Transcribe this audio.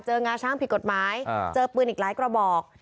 งาช้างผิดกฎหมายเจอปืนอีกหลายกระบอก